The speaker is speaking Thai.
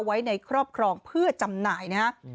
ไว้ในครอบครองเพื่อจำหน่ายนะครับ